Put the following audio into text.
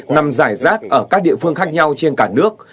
nằm giải rác ở các địa phương khác nhau trên cả nước